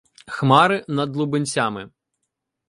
Хмари над Лубенцями